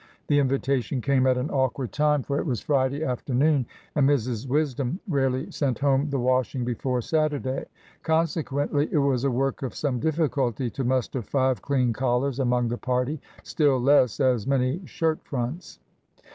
The invitation came at an awkward time, for it was Friday afternoon, and Mrs Wisdom rarely sent home the washing before Saturday. Consequently it was a work of some difficulty to muster five clean collars among the party, still less as many shirt fronts.